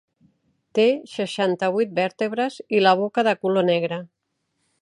Té seixanta-vuit vèrtebres i la boca de color negre.